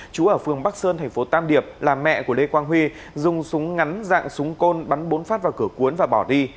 chú ở phường bắc sơn thành phố tam điệp là mẹ của lê quang huy dùng súng ngắn dạng súng côn bắn bốn phát vào cửa cuốn và bỏ đi